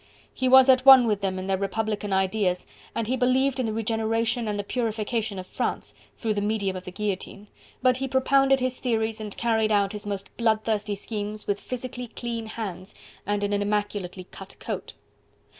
He was at one with them in their republican ideas and he believed in the regeneration and the purification of France, through the medium of the guillotine, but he propounded his theories and carried out his most bloodthirsty schemes with physically clean hands and in an immaculately cut coat.